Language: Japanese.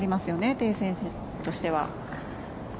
テイ選手としては。